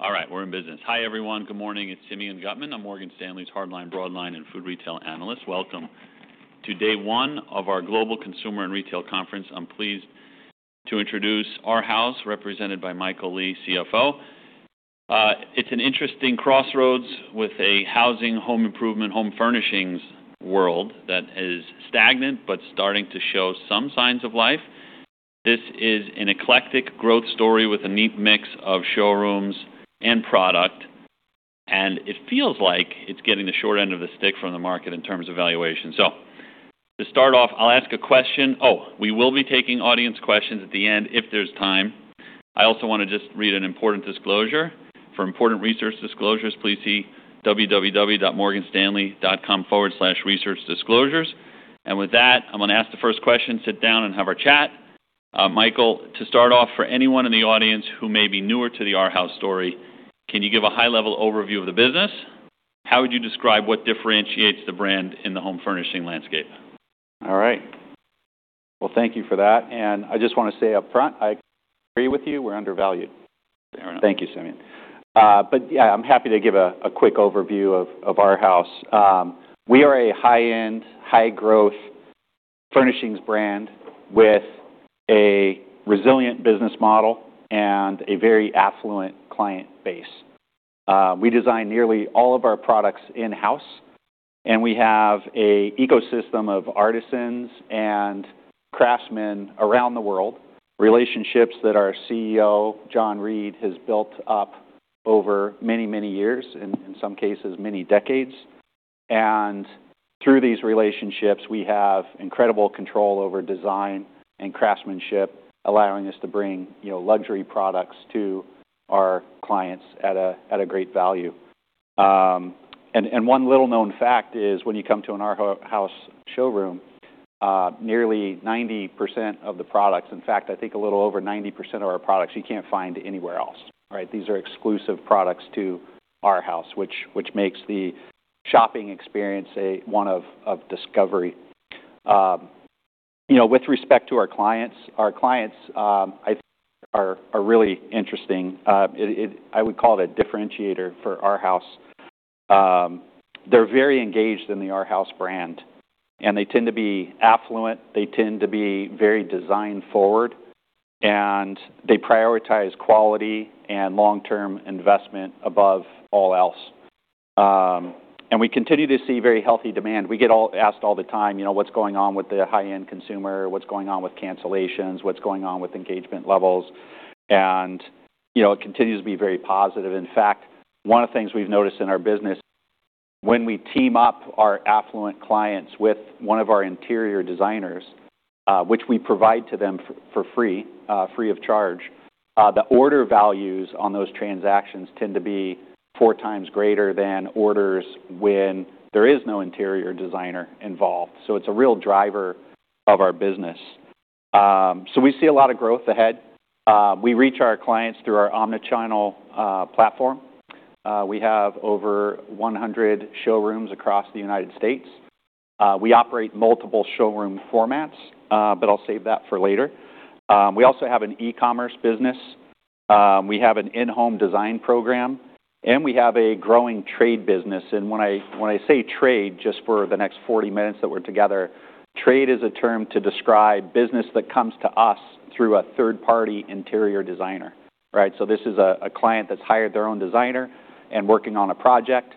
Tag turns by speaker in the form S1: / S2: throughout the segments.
S1: All right, we're in business. Hi everyone, good morning. It's Simeon Gutman. I'm Morgan Stanley's hardline, broadline, and food retail analyst. Welcome to day one of our Global Consumer and Retail Conference. I'm pleased to introduce Arhaus, represented by Michael Lee, CFO. It's an interesting crossroads with a housing, home improvement, home furnishings world that is stagnant but starting to show some signs of life. This is an eclectic growth story with a neat mix of showrooms and product, and it feels like it's getting the short end of the stick from the market in terms of valuation. To start off, I'll ask a question. We will be taking audience questions at the end if there's time. I also want to just read an important disclosure. For important research disclosures, please see www.morganstanley.com/researchdisclosures. With that, I'm going to ask the first question. Sit down and have our chat. Michael, to start off, for anyone in the audience who may be newer to the Arhaus story, can you give a high-level overview of the business? How would you describe what differentiates the brand in the home furnishing landscape?
S2: All right. Thank you for that. I just want to say upfront, I agree with you. We're undervalued.
S1: Fair enough.
S2: Thank you, Simeon. Yeah, I'm happy to give a quick overview of Arhaus. We are a high-end, high-growth furnishings brand with a resilient business model and a very affluent client base. We design nearly all of our products in-house, and we have an ecosystem of artisans and craftsmen around the world, relationships that our CEO, John Reed, has built up over many, many years, in some cases, many decades. Through these relationships, we have incredible control over design and craftsmanship, allowing us to bring, you know, luxury products to our clients at a great value. One little-known fact is when you come to an Arhaus showroom, nearly 90% of the products in fact, I think a little over 90% of our products you can't find anywhere else, right? These are exclusive products to Arhaus, which makes the shopping experience, say, one of discovery. You know, with respect to our clients, our clients, I think are really interesting. It, I would call it a differentiator for Arhaus. They're very engaged in the Arhaus brand, and they tend to be affluent. They tend to be very design-forward, and they prioritize quality and long-term investment above all else. We continue to see very healthy demand. We get asked all the time, you know, what's going on with the high-end consumer, what's going on with cancellations, what's going on with engagement levels. You know, it continues to be very positive. In fact, one of the things we've noticed in our business, when we team up our affluent clients with one of our interior designers, which we provide to them for free, free of charge, the order values on those transactions tend to be four times greater than orders when there is no interior designer involved. It is a real driver of our business. We see a lot of growth ahead. We reach our clients through our omnichannel platform. We have over 100 showrooms across the United States. We operate multiple showroom formats, but I'll save that for later. We also have an e-commerce business. We have an in-home design program, and we have a growing trade business. When I say trade, just for the next 40 minutes that we're together, trade is a term to describe business that comes to us through a third-party interior designer, right? This is a client that's hired their own designer and working on a project.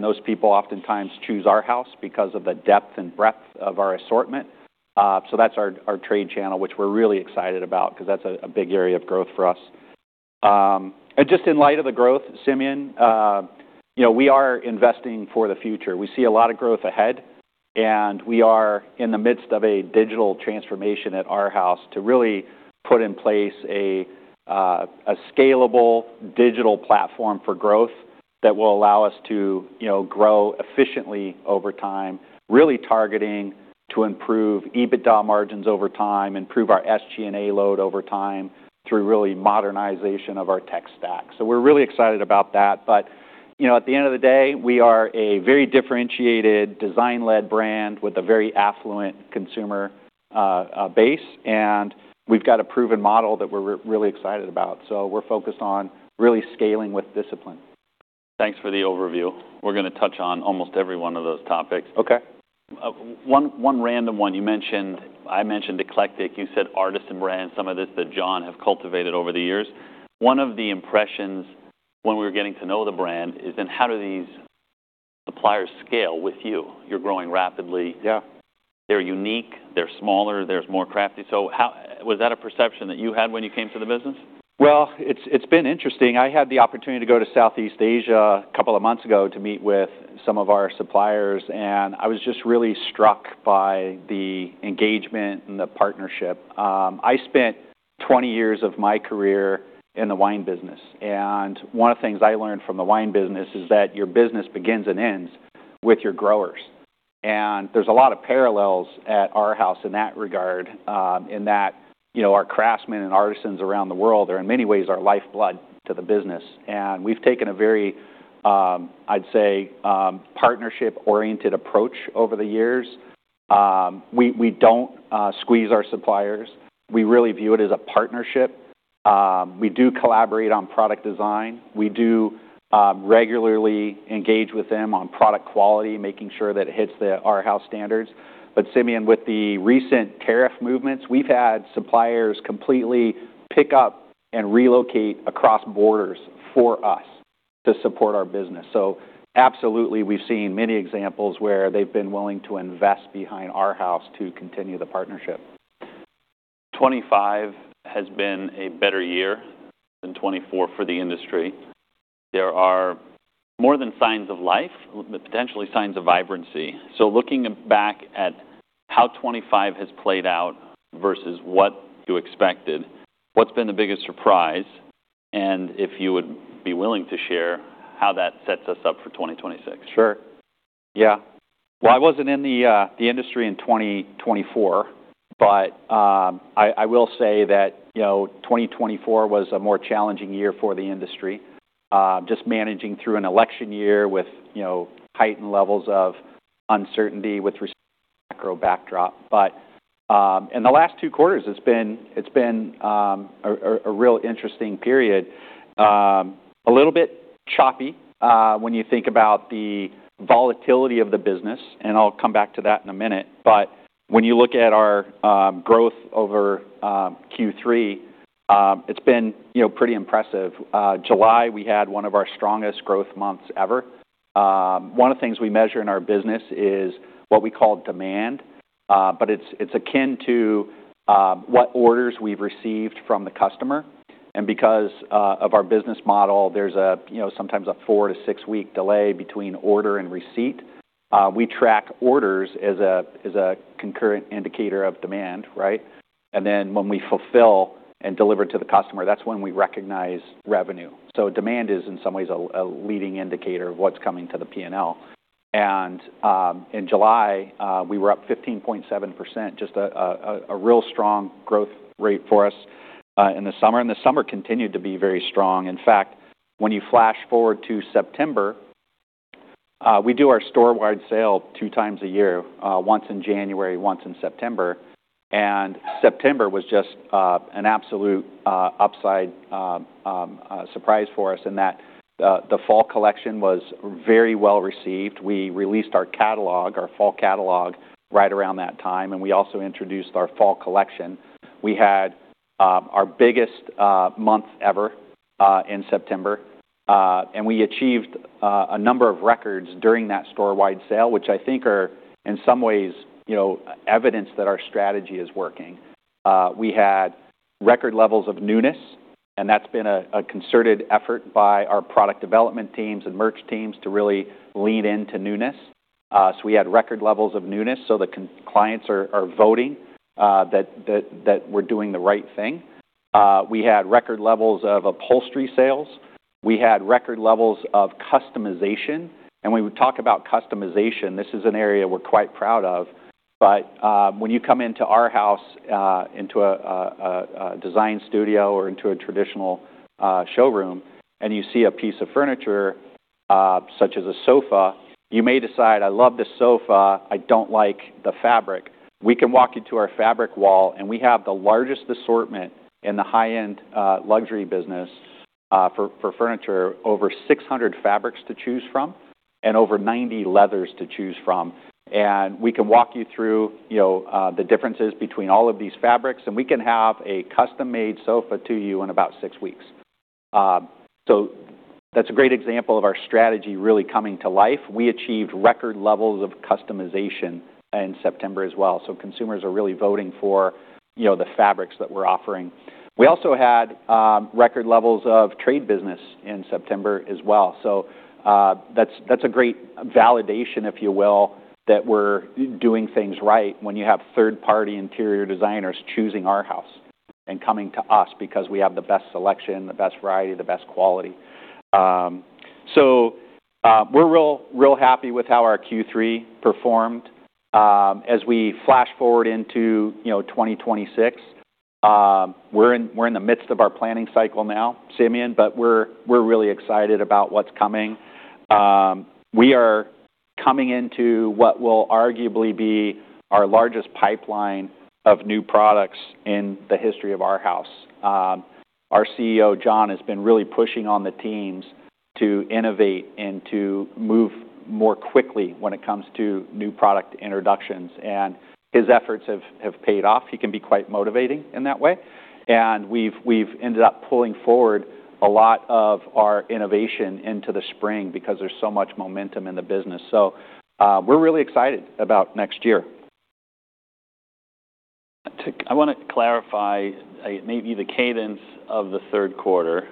S2: Those people oftentimes choose Arhaus because of the depth and breadth of our assortment. That is our trade channel, which we're really excited about because that's a big area of growth for us. Just in light of the growth, Simeon, you know, we are investing for the future. We see a lot of growth ahead, and we are in the midst of a digital transformation at Arhaus to really put in place a scalable digital platform for growth that will allow us to, you know, grow efficiently over time, really targeting to improve EBITDA margins over time, improve our SG&A load over time through really modernization of our tech stack. We are really excited about that. You know, at the end of the day, we are a very differentiated, design-led brand with a very affluent consumer base, and we've got a proven model that we're really excited about. We are focused on really scaling with discipline.
S1: Thanks for the overview. We're going to touch on almost every one of those topics.
S2: Okay.
S1: One, one random one. You mentioned, I mentioned eclectic. You said artisan brand, some of this that John have cultivated over the years. One of the impressions when we were getting to know the brand is, and how do these suppliers scale with you? You're growing rapidly.
S2: Yeah.
S1: They're unique. They're smaller. They're more crafty. How was that a perception that you had when you came to the business?
S2: It's been interesting. I had the opportunity to go to Southeast Asia a couple of months ago to meet with some of our suppliers, and I was just really struck by the engagement and the partnership. I spent 20 years of my career in the wine business, and one of the things I learned from the wine business is that your business begins and ends with your growers. There's a lot of parallels at Arhaus in that regard, in that, you know, our craftsmen and artisans around the world are in many ways our lifeblood to the business. We've taken a very, I'd say, partnership-oriented approach over the years. We don't squeeze our suppliers. We really view it as a partnership. We do collaborate on product design. We do regularly engage with them on product quality, making sure that it hits the Arhaus standards. Simeon, with the recent tariff movements, we've had suppliers completely pick up and relocate across borders for us to support our business. Absolutely, we've seen many examples where they've been willing to invest behind Arhaus to continue the partnership.
S1: 2025 has been a better year than 2024 for the industry. There are more than signs of life, potentially signs of vibrancy. Looking back at how 2025 has played out versus what you expected, what's been the biggest surprise? If you would be willing to share how that sets us up for 2026.
S2: Sure. Yeah. I wasn't in the industry in 2024, but I will say that, you know, 2024 was a more challenging year for the industry, just managing through an election year with, you know, heightened levels of uncertainty with respect to macro backdrop. In the last two quarters, it's been a real interesting period. A little bit choppy, when you think about the volatility of the business, and I'll come back to that in a minute. When you look at our growth over Q3, it's been, you know, pretty impressive. July we had one of our strongest growth months ever. One of the things we measure in our business is what we call demand, but it's akin to what orders we've received from the customer. Because of our business model, there's a, you know, sometimes a four to six-week delay between order and receipt. We track orders as a concurrent indicator of demand, right? When we fulfill and deliver to the customer, that's when we recognize revenue. Demand is, in some ways, a leading indicator of what's coming to the P&L. In July, we were up 15.7%, just a real strong growth rate for us in the summer. The summer continued to be very strong. In fact, when you flash forward to September, we do our store-wide sale two times a year, once in January, once in September. September was just an absolute upside surprise for us in that the fall collection was very well received. We released our catalog, our fall catalog, right around that time, and we also introduced our fall collection. We had our biggest month ever in September. We achieved a number of records during that store-wide sale, which I think are, in some ways, you know, evidence that our strategy is working. We had record levels of newness, and that's been a concerted effort by our product development teams and merch teams to really lean into newness. We had record levels of newness, so the clients are voting that we're doing the right thing. We had record levels of upholstery sales. We had record levels of customization. When we talk about customization, this is an area we're quite proud of. When you come into Arhaus, into a design studio or into a traditional showroom, and you see a piece of furniture, such as a sofa, you may decide, "I love this sofa. I don't like the fabric." We can walk you to our fabric wall, and we have the largest assortment in the high-end, luxury business for furniture, over 600 fabrics to choose from and over 90 leathers to choose from. We can walk you through, you know, the differences between all of these fabrics, and we can have a custom-made sofa to you in about six weeks. That's a great example of our strategy really coming to life. We achieved record levels of customization in September as well. Consumers are really voting for, you know, the fabrics that we're offering. We also had record levels of trade business in September as well. That's a great validation, if you will, that we're doing things right when you have third-party interior designers choosing Arhaus and coming to us because we have the best selection, the best variety, the best quality. We're real, real happy with how our Q3 performed. As we flash forward into, you know, 2026, we're in the midst of our planning cycle now, Simeon, but we're really excited about what's coming. We are coming into what will arguably be our largest pipeline of new products in the history of Arhaus. Our CEO, John, has been really pushing on the teams to innovate and to move more quickly when it comes to new product introductions. His efforts have paid off. He can be quite motivating in that way. We've ended up pulling forward a lot of our innovation into the spring because there's so much momentum in the business. We're really excited about next year.
S1: I want to clarify maybe the cadence of the third quarter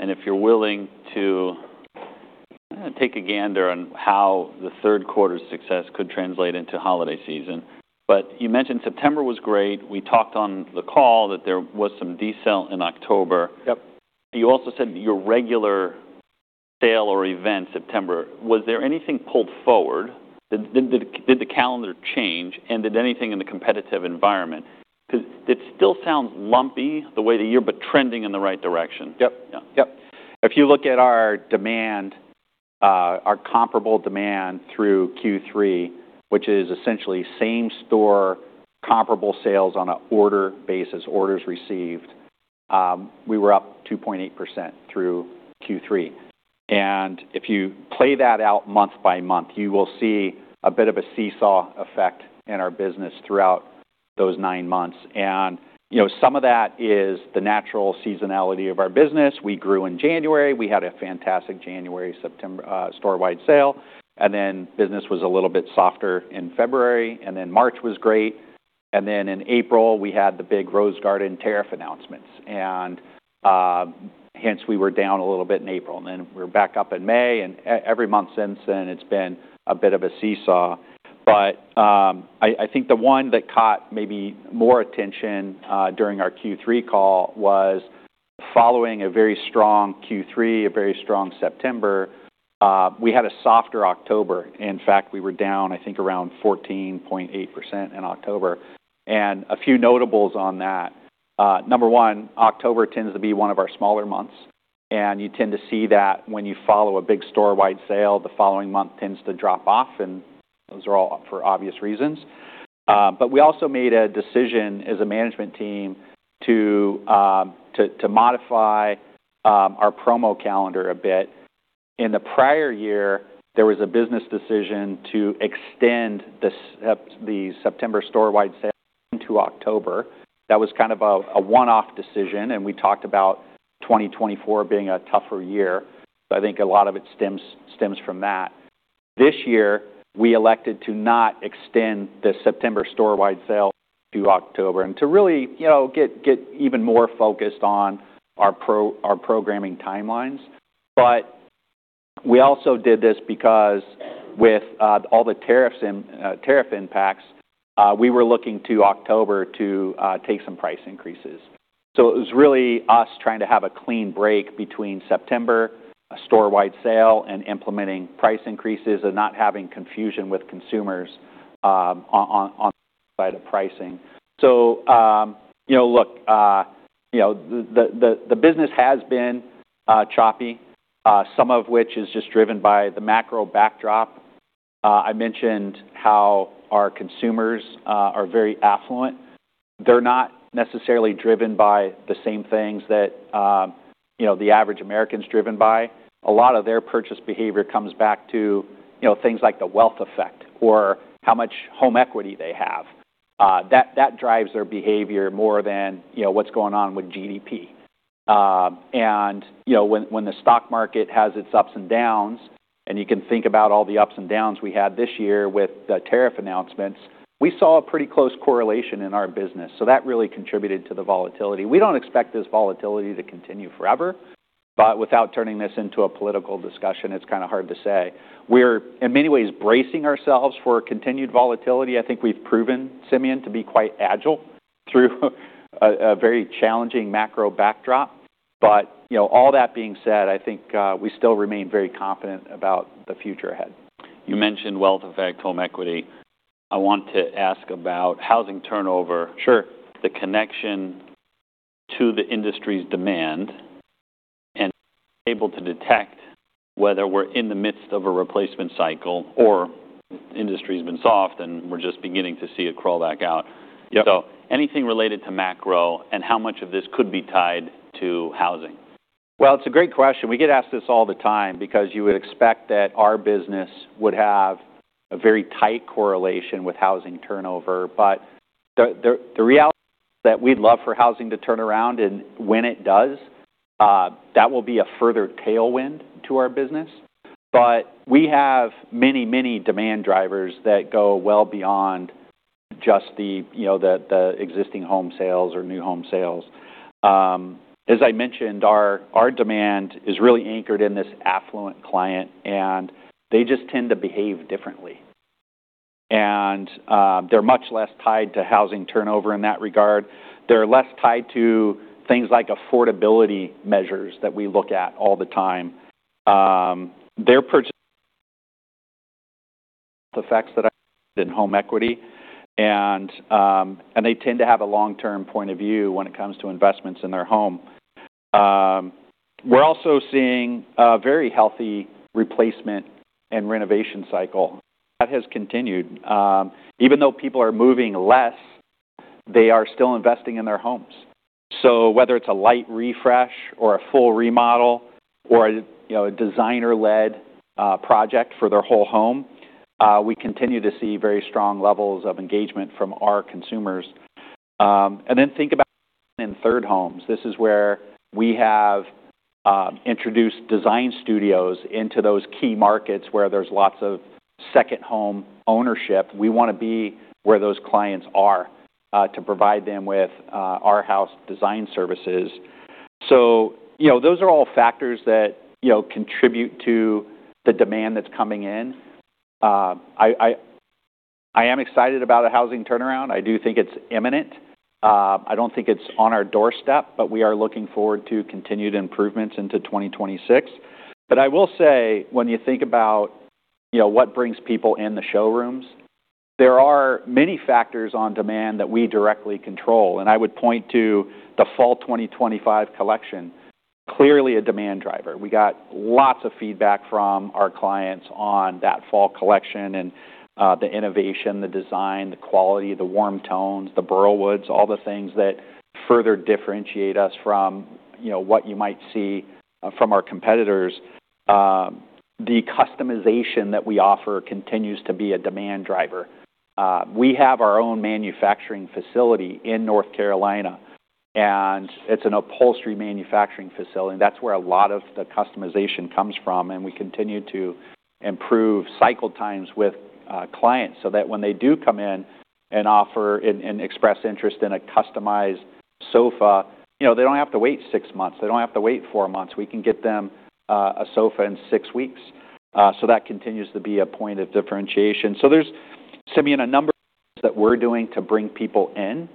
S1: and if you're willing to take a gander on how the third quarter's success could translate into holiday season. You mentioned September was great. We talked on the call that there was some descent in October.
S2: Yep.
S1: You also said your regular sale or event September. Was there anything pulled forward? Did the calendar change? Did anything in the competitive environment? Because it still sounds lumpy the way the year, but trending in the right direction.
S2: Yep. Yep. If you look at our demand, our comparable demand through Q3, which is essentially same-store comparable sales on an order basis, orders received, we were up 2.8% through Q3. If you play that out month by month, you will see a bit of a seesaw effect in our business throughout those nine months. You know, some of that is the natural seasonality of our business. We grew in January. We had a fantastic January, September, store-wide sale. Business was a little bit softer in February. March was great. In April, we had the big Rose Garden tariff announcements. Hence, we were down a little bit in April. We were back up in May. Every month since then, it's been a bit of a seesaw. I think the one that caught maybe more attention during our Q3 call was following a very strong Q3, a very strong September, we had a softer October. In fact, we were down, I think, around 14.8% in October. A few notables on that. Number one, October tends to be one of our smaller months. You tend to see that when you follow a big store-wide sale, the following month tends to drop off. Those are all for obvious reasons. We also made a decision as a management team to modify our promo calendar a bit. In the prior year, there was a business decision to extend the September store-wide sale into October. That was kind of a one-off decision. We talked about 2024 being a tougher year. I think a lot of it stems from that. This year, we elected to not extend the September store-wide sale to October and to really, you know, get even more focused on our programming timelines. We also did this because with all the tariffs and tariff impacts, we were looking to October to take some price increases. It was really us trying to have a clean break between September, a store-wide sale, and implementing price increases and not having confusion with consumers on the side of pricing. You know, look, the business has been choppy, some of which is just driven by the macro backdrop. I mentioned how our consumers are very affluent. They're not necessarily driven by the same things that, you know, the average American's driven by. A lot of their purchase behavior comes back to, you know, things like the wealth effect or how much home equity they have. That drives their behavior more than, you know, what's going on with GDP. And, you know, when the stock market has its ups and downs, and you can think about all the ups and downs we had this year with the tariff announcements, we saw a pretty close correlation in our business. That really contributed to the volatility. We don't expect this volatility to continue forever. Without turning this into a political discussion, it's kind of hard to say. We're, in many ways, bracing ourselves for continued volatility. I think we've proven, Simeon, to be quite agile through a very challenging macro backdrop. But, you know, all that being said, I think we still remain very confident about the future ahead.
S1: You mentioned wealth effect, home equity. I want to ask about housing turnover.
S2: Sure.
S1: The connection to the industry's demand and able to detect whether we're in the midst of a replacement cycle or the industry's been soft and we're just beginning to see it crawl back out.
S2: Yep.
S1: Anything related to macro and how much of this could be tied to housing?
S2: It's a great question. We get asked this all the time because you would expect that our business would have a very tight correlation with housing turnover. The reality is that we'd love for housing to turn around. When it does, that will be a further tailwind to our business. We have many, many demand drivers that go well beyond just the, you know, the existing home sales or new home sales. As I mentioned, our demand is really anchored in this affluent client, and they just tend to behave differently. They're much less tied to housing turnover in that regard. They're less tied to things like affordability measures that we look at all the time. They're purchasing effects that are in home equity. They tend to have a long-term point of view when it comes to investments in their home. We're also seeing a very healthy replacement and renovation cycle. That has continued. Even though people are moving less, they are still investing in their homes. Whether it's a light refresh or a full remodel or a, you know, a designer-led project for their whole home, we continue to see very strong levels of engagement from our consumers. Think about in third homes. This is where we have introduced design studios into those key markets where there's lots of second home ownership. We want to be where those clients are, to provide them with Arhaus design services. You know, those are all factors that, you know, contribute to the demand that's coming in. I am excited about a housing turnaround. I do think it's imminent. I don't think it's on our doorstep, but we are looking forward to continued improvements into 2026. I will say, when you think about, you know, what brings people in the showrooms, there are many factors on demand that we directly control. I would point to the Fall 2025 collection, clearly a demand driver. We got lots of feedback from our clients on that Fall collection and, the innovation, the design, the quality, the warm tones, the burlwoods, all the things that further differentiate us from, you know, what you might see from our competitors. The customization that we offer continues to be a demand driver. We have our own manufacturing facility in North Carolina, and it's an upholstery manufacturing facility. That's where a lot of the customization comes from. We continue to improve cycle times with clients so that when they do come in and offer and express interest in a customized sofa, you know, they do not have to wait six months. They do not have to wait four months. We can get them a sofa in six weeks. That continues to be a point of differentiation. There is, Simeon, a number of things that we are doing to bring people in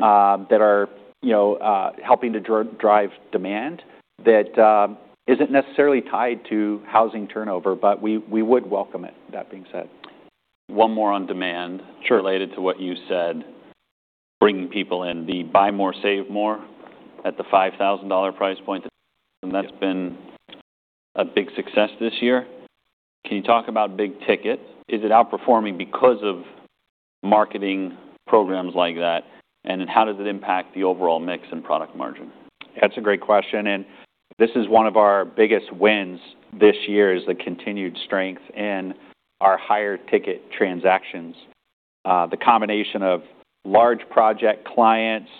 S2: that are, you know, helping to drive demand that is not necessarily tied to housing turnover, but we would welcome it. That being said.
S1: One more on demand.
S2: Sure.
S1: Related to what you said, bringing people in, the Buy More, Save More at the $5,000 price point. That has been a big success this year. Can you talk about big ticket? Is it outperforming because of marketing programs like that? How does it impact the overall mix and product margin?
S2: That's a great question. This is one of our biggest wins this year, the continued strength in our higher ticket transactions. The combination of large project clients,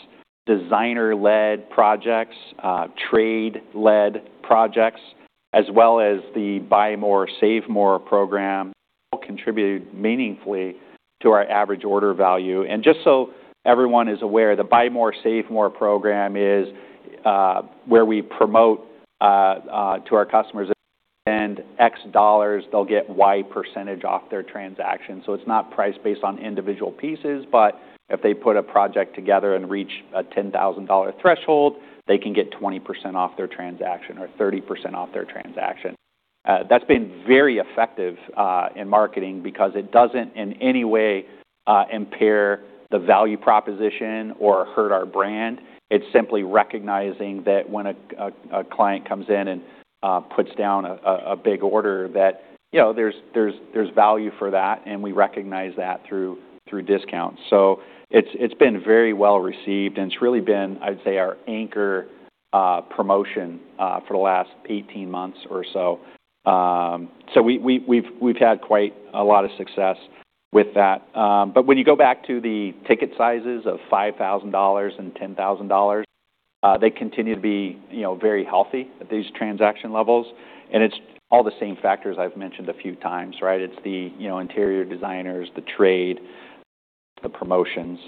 S2: designer-led projects, trade-led projects, as well as the Buy More, Save More program, all contributed meaningfully to our average order value. Just so everyone is aware, the Buy More, Save More program is where we promote to our customers that if they spend X dollars, they'll get Y percentage off their transaction. It's not priced based on individual pieces, but if they put a project together and reach a $10,000 threshold, they can get 20% off their transaction or 30% off their transaction. That's been very effective in marketing because it doesn't in any way impair the value proposition or hurt our brand. It's simply recognizing that when a client comes in and puts down a big order, that, you know, there's value for that. And we recognize that through discounts. It's been very well received. It's really been, I'd say, our anchor promotion for the last 18 months or so. We have had quite a lot of success with that. When you go back to the ticket sizes of $5,000 and $10,000, they continue to be, you know, very healthy at these transaction levels. It's all the same factors I've mentioned a few times, right? It's the, you know, interior designers, the trade, the promotions.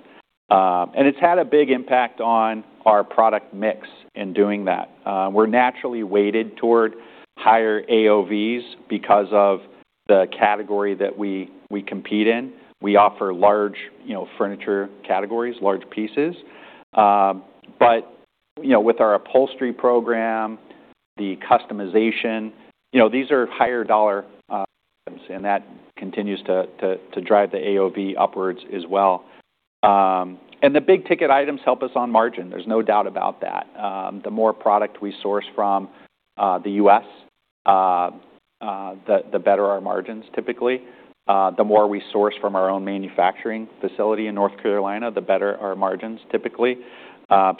S2: It's had a big impact on our product mix in doing that. We're naturally weighted toward higher AOVs because of the category that we compete in. We offer large, you know, furniture categories, large pieces. But, you know, with our upholstery program, the customization, you know, these are higher dollar items. And that continues to drive the AOV upwards as well. The big ticket items help us on margin. There's no doubt about that. The more product we source from the U.S., the better our margins typically. The more we source from our own manufacturing facility in North Carolina, the better our margins typically.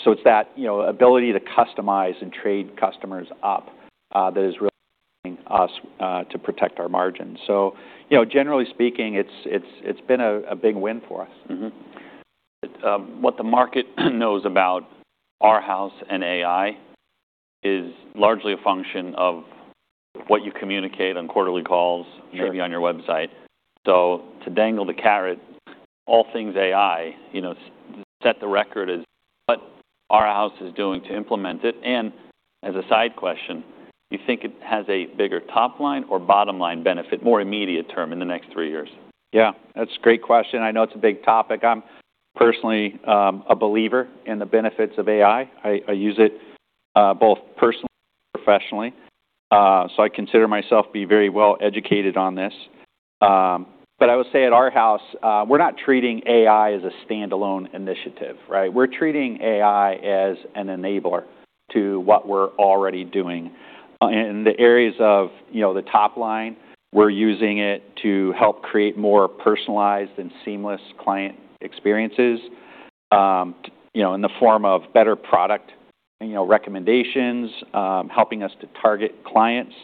S2: It's that, you know, ability to customize and trade customers up, that is really us, to protect our margins. You know, generally speaking, it's been a big win for us.
S1: Mm-hmm. What the market knows about Arhaus and AI is largely a function of what you communicate on quarterly calls.
S2: Sure.
S1: Maybe on your website. To dangle the carrot, all things AI, you know, set the record as what Arhaus is doing to implement it. As a side question, you think it has a bigger top-line or bottom-line benefit, more immediate term in the next three years?
S2: Yeah. That's a great question. I know it's a big topic. I'm personally, a believer in the benefits of AI. I use it, both personally and professionally. I consider myself to be very well educated on this. I would say at Arhaus, we're not treating AI as a standalone initiative, right? We're treating AI as an enabler to what we're already doing. In the areas of, you know, the top line, we're using it to help create more personalized and seamless client experiences, you know, in the form of better product, you know, recommendations, helping us to target clients,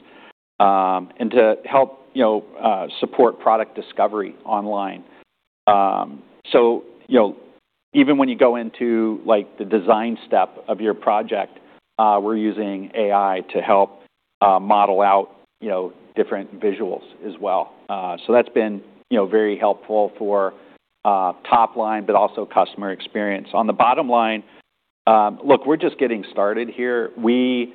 S2: and to help, you know, support product discovery online. You know, even when you go into, like, the design step of your project, we're using AI to help model out, you know, different visuals as well. That's been, you know, very helpful for top line, but also customer experience. On the bottom line, look, we're just getting started here. We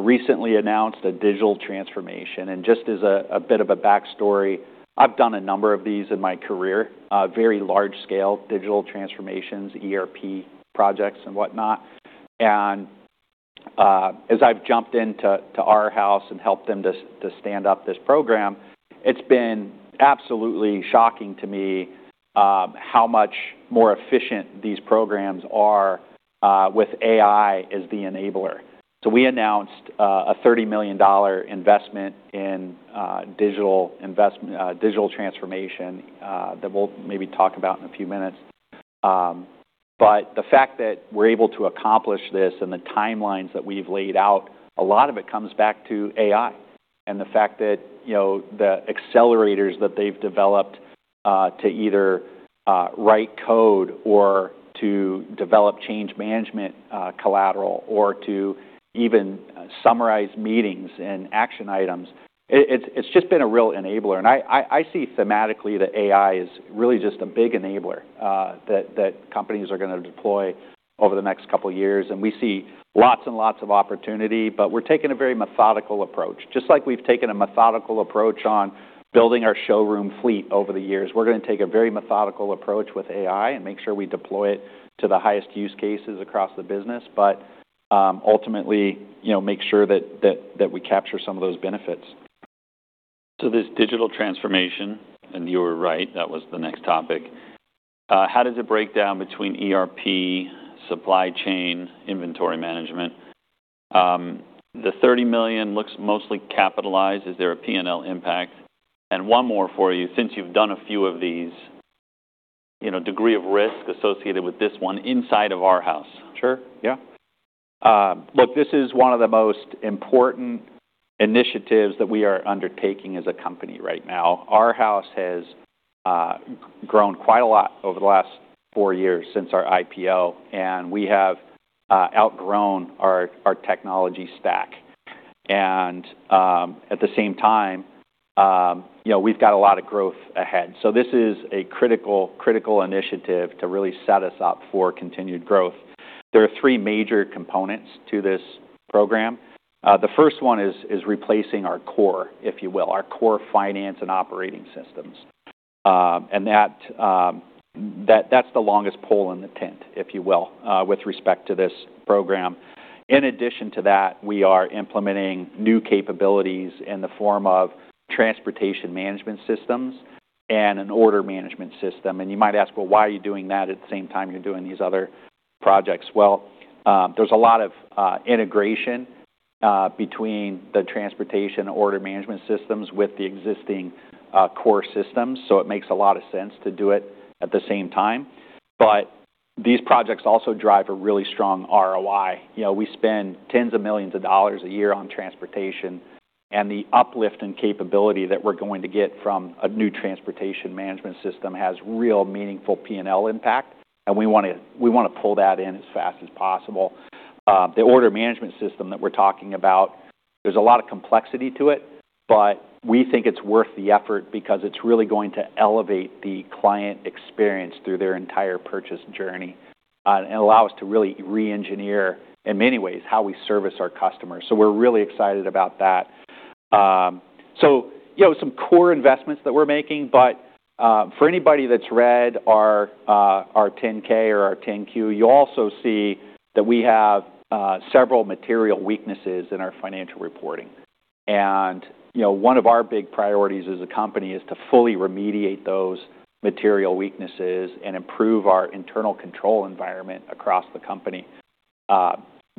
S2: recently announced a digital transformation. And just as a bit of a backstory, I've done a number of these in my career, very large-scale digital transformations, ERP projects, and whatnot. As I've jumped into Arhaus and helped them to stand up this program, it's been absolutely shocking to me how much more efficient these programs are with AI as the enabler. We announced a $30 million investment in digital investment, digital transformation, that we'll maybe talk about in a few minutes. The fact that we're able to accomplish this and the timelines that we've laid out, a lot of it comes back to AI and the fact that, you know, the accelerators that they've developed, to either write code or to develop change management collateral or to even summarize meetings and action items, it's just been a real enabler. I see thematically that AI is really just a big enabler, that companies are going to deploy over the next couple of years. We see lots and lots of opportunity, but we're taking a very methodical approach. Just like we've taken a methodical approach on building our showroom fleet over the years, we're going to take a very methodical approach with AI and make sure we deploy it to the highest use cases across the business, but ultimately, you know, make sure that we capture some of those benefits.
S1: This digital transformation, and you were right, that was the next topic. How does it break down between ERP, supply chain, inventory management? The $30 million looks mostly capitalized. Is there a P&L impact? And one more for you, since you've done a few of these, you know, degree of risk associated with this one inside of Arhaus?
S2: Sure. Yeah. Look, this is one of the most important initiatives that we are undertaking as a company right now. Arhaus has grown quite a lot over the last four years since our IPO. And we have outgrown our technology stack. At the same time, you know, we've got a lot of growth ahead. This is a critical, critical initiative to really set us up for continued growth. There are three major components to this program. The first one is replacing our core, if you will, our core finance and operating systems. That is the longest pole in the tent, if you will, with respect to this program. In addition to that, we are implementing new capabilities in the form of transportation management systems and an order management system. You might ask, well, why are you doing that at the same time you're doing these other projects? There is a lot of integration between the transportation order management systems with the existing core systems. It makes a lot of sense to do it at the same time. These projects also drive a really strong ROI. You know, we spend tens of millions of dollars a year on transportation. The uplift in capability that we're going to get from a new transportation management system has real meaningful P&L impact. We want to pull that in as fast as possible. The order management system that we're talking about, there's a lot of complexity to it, but we think it's worth the effort because it's really going to elevate the client experience through their entire purchase journey, and allow us to really re-engineer in many ways how we service our customers. We’re really excited about that. You know, some core investments that we're making. For anybody that's read our 10-K or our 10-Q, you also see that we have several material weaknesses in our financial reporting. You know, one of our big priorities as a company is to fully remediate those material weaknesses and improve our internal control environment across the company.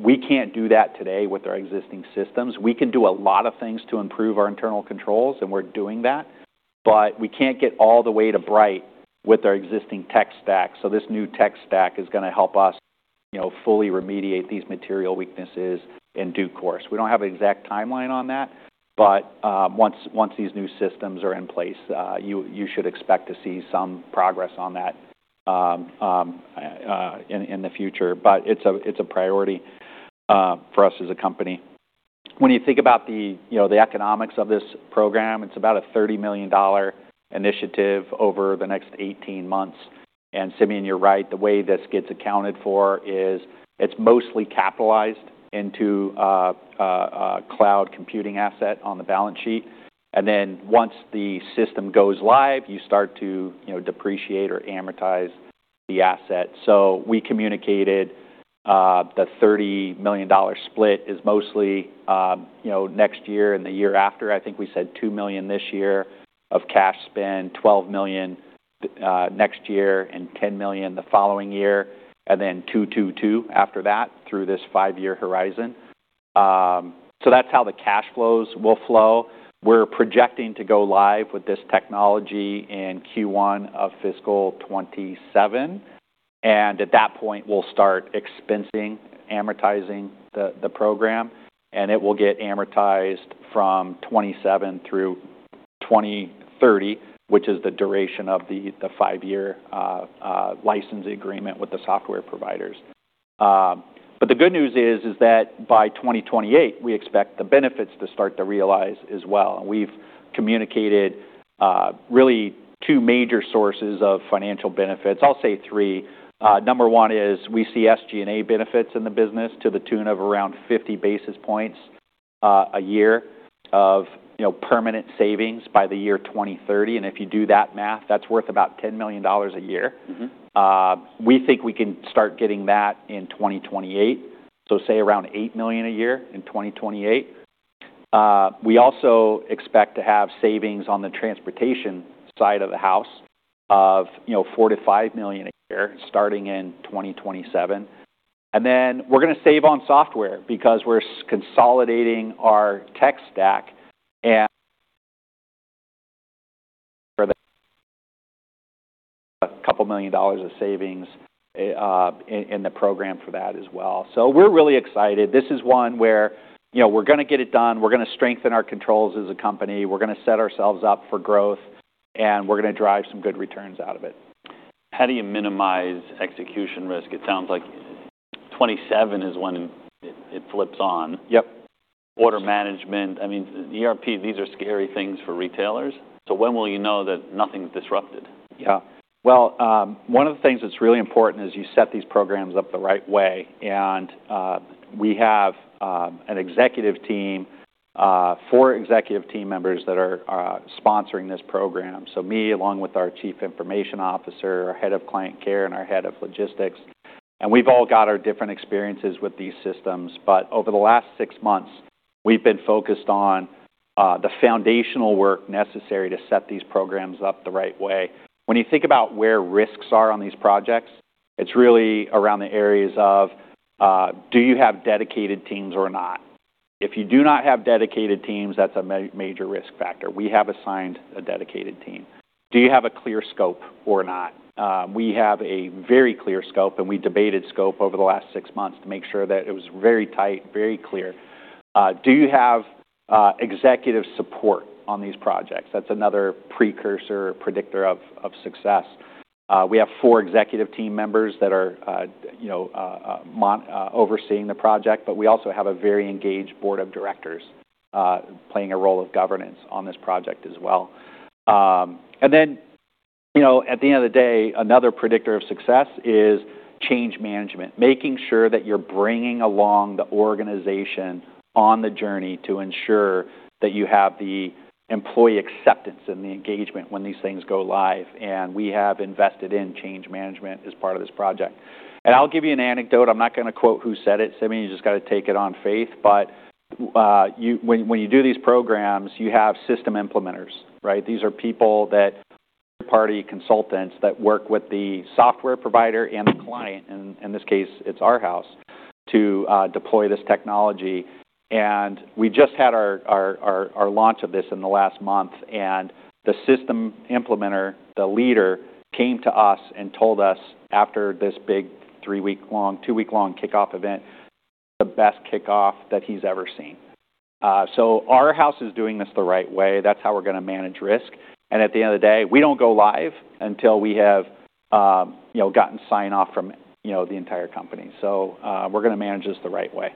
S2: We can't do that today with our existing systems. We can do a lot of things to improve our internal controls, and we're doing that. We can't get all the way to Bright with our existing tech stack. This new tech stack is going to help us, you know, fully remediate these material weaknesses in due course. We don't have an exact timeline on that. Once these new systems are in place, you should expect to see some progress on that in the future. It's a priority for us as a company. When you think about the economics of this program, it's about a $30 million initiative over the next 18 months. Simeon, you're right. The way this gets accounted for is it's mostly capitalized into cloud computing asset on the balance sheet. Once the system goes live, you start to, you know, depreciate or amortize the asset. We communicated, the $30 million split is mostly, you know, next year and the year after. I think we said $2 million this year of cash spend, $12 million next year, and $10 million the following year, and then $2, $2, $2 after that through this five-year horizon. That is how the cash flows will flow. We're projecting to go live with this technology in Q1 of fiscal 2027. At that point, we'll start expensing, amortizing the program. It will get amortized from 2027 through 2030, which is the duration of the five-year license agreement with the software providers. The good news is that by 2028, we expect the benefits to start to realize as well. We've communicated really two major sources of financial benefits. I'll say three. Number one is we see SG&A benefits in the business to the tune of around 50 basis points, a year of, you know, permanent savings by the year 2030. If you do that math, that's worth about $10 million a year.
S1: Mm-hmm.
S2: We think we can start getting that in 2028. Say around $8 million a year in 2028. We also expect to have savings on the transportation side of the house of, you know, $4 million-$5 million a year starting in 2027. We are going to save on software because we are consolidating our tech stack and a couple million dollars of savings in the program for that as well. We are really excited. This is one where, you know, we are going to get it done. We are going to strengthen our controls as a company. We are going to set ourselves up for growth. We are going to drive some good returns out of it.
S1: How do you minimize execution risk? It sounds like 27 is when it flips on.
S2: Yep.
S1: Order management. I mean, ERP, these are scary things for retailers. When will you know that nothing's disrupted?
S2: Yeah. One of the things that's really important is you set these programs up the right way. We have an executive team, four executive team members that are sponsoring this program. Me, along with our Chief Information Officer, our head of client care, and our head of logistics. We've all got our different experiences with these systems. Over the last six months, we've been focused on the foundational work necessary to set these programs up the right way. When you think about where risks are on these projects, it's really around the areas of, do you have dedicated teams or not? If you do not have dedicated teams, that's a major, major risk factor. We have assigned a dedicated team. Do you have a clear scope or not? We have a very clear scope, and we debated scope over the last six months to make sure that it was very tight, very clear. Do you have executive support on these projects? That's another precursor predictor of success. We have four executive team members that are, you know, overseeing the project. We also have a very engaged board of directors, playing a role of governance on this project as well. You know, at the end of the day, another predictor of success is change management, making sure that you're bringing along the organization on the journey to ensure that you have the employee acceptance and the engagement when these things go live. We have invested in change management as part of this project. I'll give you an anecdote. I'm not going to quote who said it. Simeon, you just got to take it on faith. When you do these programs, you have system implementers, right? These are people that are party consultants that work with the software provider and the client. In this case, it's Arhaus to deploy this technology. We just had our launch of this in the last month. The system implementer, the leader, came to us and told us after this big three-week-long, two-week-long kickoff event, this is the best kickoff that he's ever seen. Arhaus is doing this the right way. That's how we're going to manage risk. At the end of the day, we don't go live until we have, you know, gotten sign-off from, you know, the entire company. We're going to manage this the right way.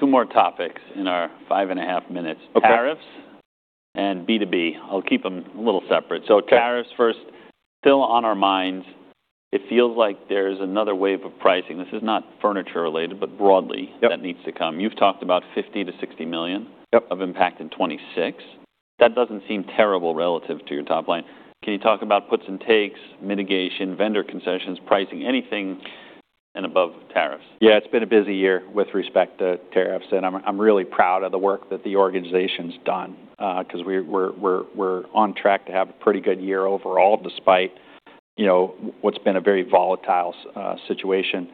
S1: Two more topics in our five and a half minutes.
S2: Okay.
S1: Tariffs and B2B. I'll keep them a little separate. Tariffs first, still on our minds. It feels like there's another wave of pricing. This is not furniture related, but broadly.
S2: Yep.
S1: That needs to come. You've talked about $50 million-$60 million.
S2: Yep.
S1: Of impact in 2026. That doesn't seem terrible relative to your top line. Can you talk about puts and takes, mitigation, vendor concessions, pricing, anything and above tariffs?
S2: Yeah. It's been a busy year with respect to tariffs. I'm really proud of the work that the organization's done, because we're on track to have a pretty good year overall despite, you know, what's been a very volatile situation.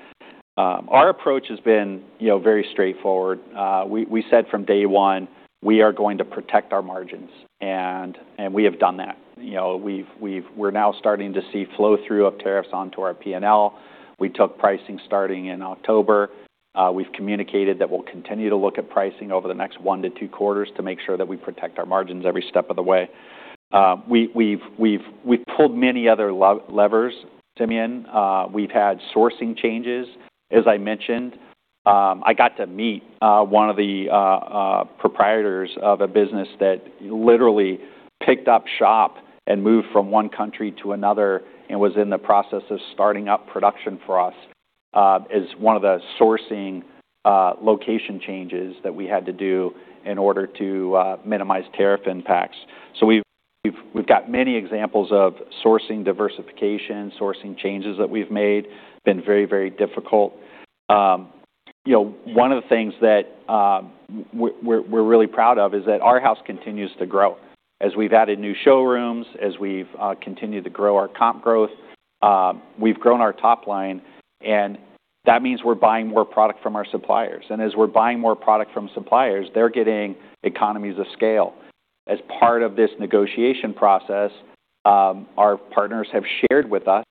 S2: Our approach has been, you know, very straightforward. We said from day one, we are going to protect our margins. And we have done that. You know, we're now starting to see flow-through of tariffs onto our P&L. We took pricing starting in October. We've communicated that we'll continue to look at pricing over the next one to two quarters to make sure that we protect our margins every step of the way. We've pulled many other levers, Simeon. We've had sourcing changes. As I mentioned, I got to meet one of the proprietors of a business that literally picked up shop and moved from one country to another and was in the process of starting up production for us, as one of the sourcing location changes that we had to do in order to minimize tariff impacts. We have got many examples of sourcing diversification, sourcing changes that we have made. It's been very, very difficult. You know, one of the things that we are really proud of is that Arhaus continues to grow as we have added new showrooms, as we have continued to grow our comp growth. We have grown our top line. That means we are buying more product from our suppliers. As we are buying more product from suppliers, they are getting economies of scale. As part of this negotiation process, our partners have shared with us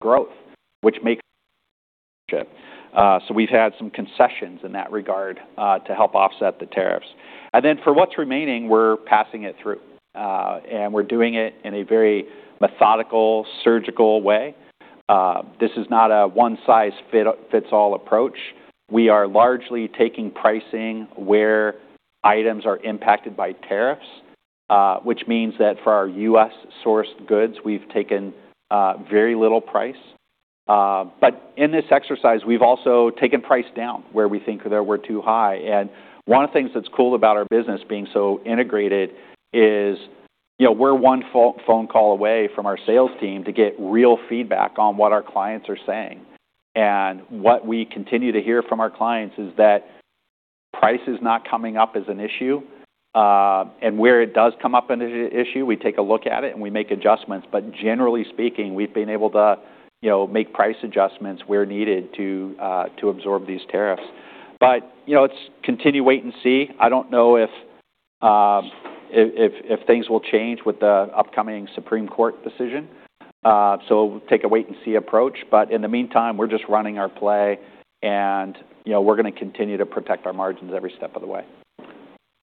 S2: growth, which makes shift. We have had some concessions in that regard, to help offset the tariffs. For what is remaining, we are passing it through, and we are doing it in a very methodical, surgical way. This is not a one-size-fits-all approach. We are largely taking pricing where items are impacted by tariffs, which means that for our U.S. sourced goods, we have taken very little price. In this exercise, we have also taken price down where we think they were too high. One of the things that is cool about our business being so integrated is, you know, we are one phone call away from our sales team to get real feedback on what our clients are saying. What we continue to hear from our clients is that price is not coming up as an issue. Where it does come up as an issue, we take a look at it and we make adjustments. Generally speaking, we've been able to, you know, make price adjustments where needed to absorb these tariffs. You know, it's continue wait and see. I don't know if things will change with the upcoming Supreme Court decision. We will take a wait-and-see approach. In the meantime, we're just running our play. You know, we're going to continue to protect our margins every step of the way.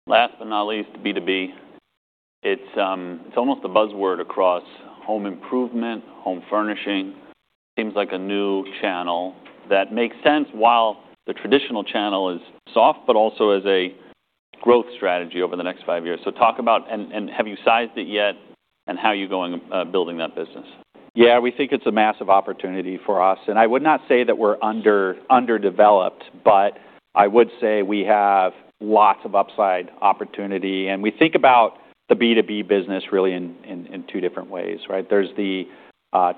S1: Last but not least, B2B. It's almost a buzzword across home improvement, home furnishing. Seems like a new channel that makes sense while the traditional channel is soft, but also as a growth strategy over the next five years. Talk about, and have you sized it yet? How are you going, building that business?
S2: Yeah. We think it's a massive opportunity for us. I would not say that we're underdeveloped, but I would say we have lots of upside opportunity. We think about the B2B business really in two different ways, right? There's the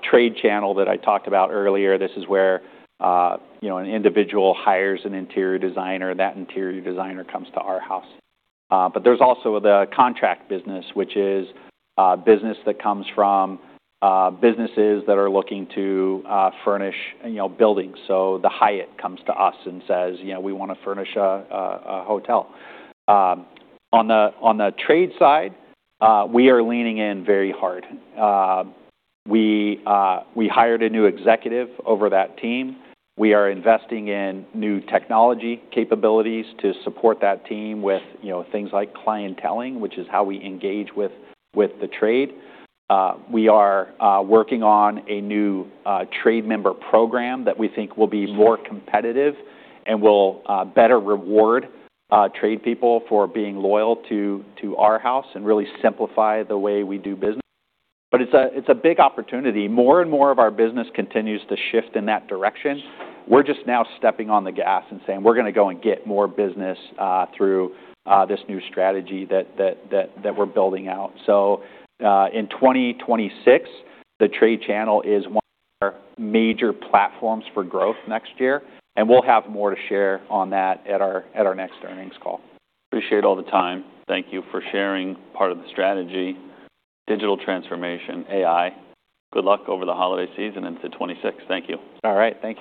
S2: trade channel that I talked about earlier. This is where, you know, an individual hires an interior designer, and that interior designer comes to Arhaus. But there's also the contract business, which is business that comes from businesses that are looking to furnish, you know, buildings. The Hyatt comes to us and says, you know, we want to furnish a hotel. On the trade side, we are leaning in very hard. We hired a new executive over that team. We are investing in new technology capabilities to support that team with, you know, things like clienteling, which is how we engage with the trade. We are working on a new trade member program that we think will be more competitive and will better reward trade people for being loyal to Arhaus and really simplify the way we do business. It is a big opportunity. More and more of our business continues to shift in that direction. We're just now stepping on the gas and saying, we're going to go and get more business through this new strategy that we're building out. In 2026, the trade channel is one of our major platforms for growth next year. We will have more to share on that at our next earnings call.
S1: Appreciate all the time. Thank you for sharing part of the strategy, digital transformation, AI. Good luck over the holiday season into 2026. Thank you.
S2: All right. Thanks.